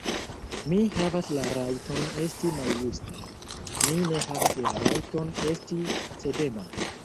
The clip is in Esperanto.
Mi havas la rajton esti maljusta; mi ne havas la rajton esti cedema.